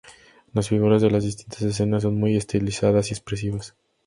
Las figuras de las distintas escenas son muy estilizadas y expresivas.